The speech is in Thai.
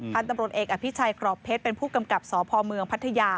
ท่านตำรวจเอกอภิชัยกรอบเพชรเป็นผู้กำกับสพพัทยา